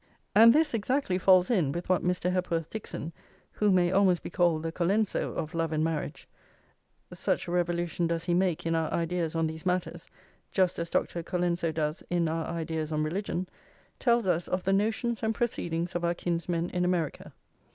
And this exactly falls in with what Mr. Hepworth Dixon, who may almost be called the Colenso of love and marriage, such a revolution does he make in our ideas on these matters, just as Dr. Colenso does in our ideas on religion, tells us of the notions and proceedings of our kinsmen in America.